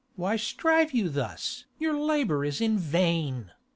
Mat. Why strive you thus? your labour is in vain. _K.